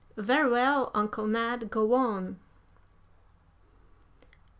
"Very well, Uncle Ned, go on."